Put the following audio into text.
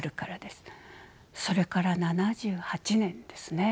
それから７８年ですね。